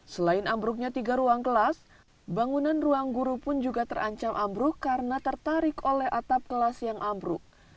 selain ambruknya tiga ruang kelas bangunan ruang guru pun juga terancam ambruk karena tertarik oleh atap kelas yang ambruk